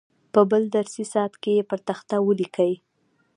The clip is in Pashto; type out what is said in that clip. په بل درسي ساعت کې یې پر تخته ولیکئ.